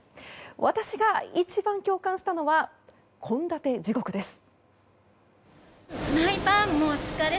私が一番共感したのは献立地獄です。